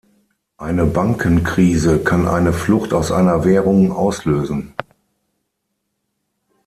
Eine Bankenkrise kann eine Flucht aus einer Währung auslösen.